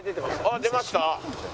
あっ出ました？